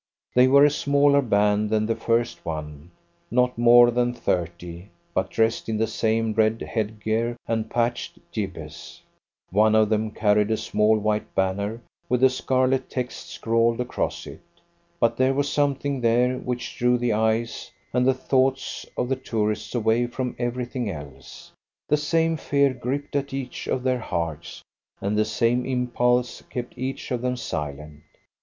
They were a smaller band than the first one not more than thirty but dressed in the same red headgear and patched jibbehs. One of them carried a small white banner with a scarlet text scrawled across it. But there was something there which drew the eyes and the thoughts of the tourists away from everything else. The same fear gripped at each of their hearts, and the same impulse kept each of them silent.